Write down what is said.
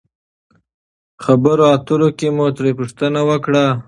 خبرو اترو کښې مو ترې پوښتنه وکړه